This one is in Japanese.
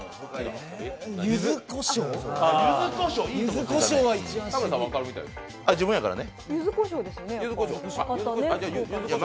ゆずこしょうですよね？